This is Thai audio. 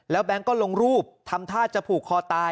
แล้วแบงค์ก็ลงรูปทำท่าจะผูกคอตาย